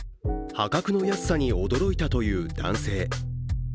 破格の安さに驚いたという男性。